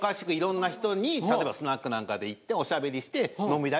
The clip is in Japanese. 例えばスナックなんかで行っておしゃべりして。